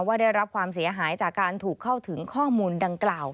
ได้รับความเสียหายจากการถูกเข้าถึงข้อมูลดังกล่าว